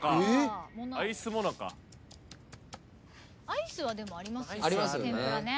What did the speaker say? アイスはでもありますよね天ぷらね。